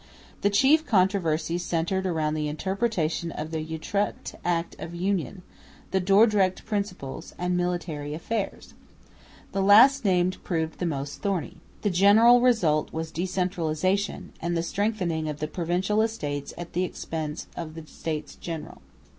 The chief controversies centred around the interpretation of the Utrecht Act of Union, the Dordrecht principles, and military affairs. The last named proved the most thorny. The general result was decentralisation, and the strengthening of the Provincial Estates at the expense of the States General.